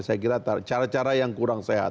saya kira cara cara yang kurang sehat